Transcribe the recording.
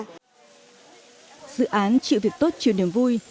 dự án chịu việc tốt chịu niềm vui